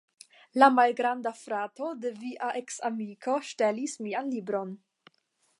La malgranda frato de via eksamiko ŝtelis mian libron